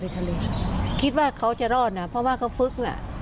ก็คิดว่าเขาจะรอดนะเพราะว่าเขาฟึก